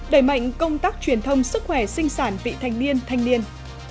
đẩy mạnh công tác truyền thông sức khỏe sinh sản vị thanh niên thanh niên